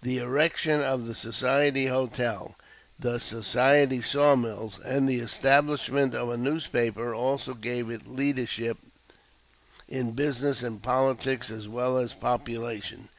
The erection of the society hotel, the society saw mills, and the establishment of a newspaper also gave it leadership in business and politics as well as population.